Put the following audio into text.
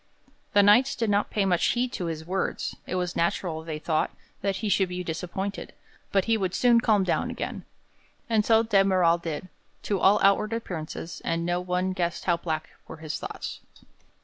The Knights did not pay much heed to his words; it was natural, they thought, that he should be disappointed, but he would soon calm down again. And so de Merall did, to all outward appearance, and no one guessed how black were his thoughts.